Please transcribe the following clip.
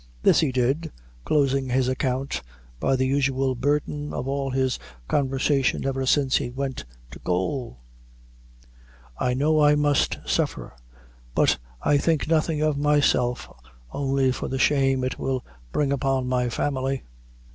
This he did, closing his account by the usual burthen of all his conversation ever since he went to gaol: "I know I must suffer; but I think nothing of myself, only for the shame it will bring upon my family."